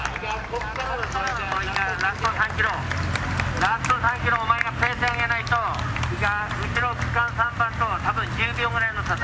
ラスト３ｋｍ、お前がペース上げないといいか、多分１０秒ぐらいの差だ。